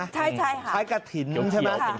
ใช่คล้ายกระถิ่นใช่ไหม